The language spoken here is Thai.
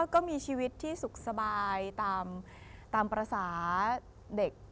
ก็มีชีวิตที่สุขสบายตามภาษาเด็ก